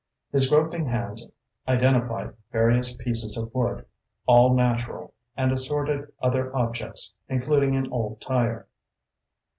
His groping hands identified various pieces of wood, all natural, and assorted other objects including an old tire.